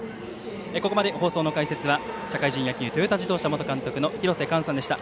ここまで放送の解説は社会人野球トヨタ自動車元監督の廣瀬寛さんでした。